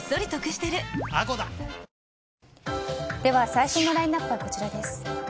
最新のラインアップはこちらです。